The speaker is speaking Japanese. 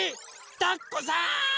たっこさん！